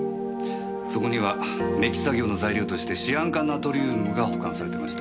そこにはメッキ作業の材料としてシアン化ナトリウムが保管されてました。